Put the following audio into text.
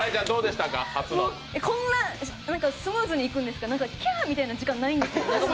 こんなスムーズにいくんですかキャーみたいな時間ないんですか？